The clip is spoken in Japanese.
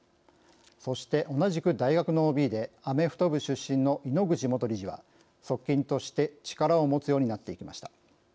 そして同じく大学のＯＢでアメフト部出身の井ノ口元理事は側近として力を持つようになっていきました。